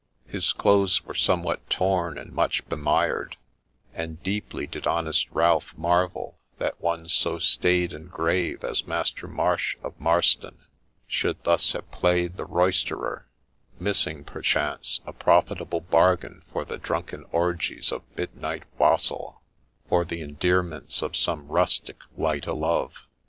His clothes were somewhat torn and much bemired ; and deeply did honest Ralph marvel that one so staid and grave as Master Marsh of Marston should thus have played the roisterer, missing, perchance, a profitable bargain for the drunken orgies of midnight wassail, or the endearments of some rustic light o' love.